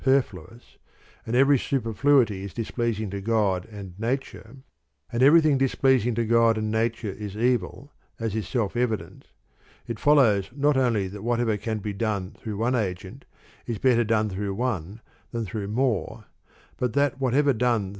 erfluous," and every superHuTty is displeasing to God and Na ture, and everything displeasing to God and Nature is evil, as is self evident; it follows not only that whatever can be done through one agent is better done through one than through more, but that whatever done through one is I